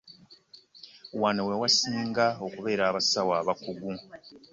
Wano wewasinga okubeera abasawo abakugu.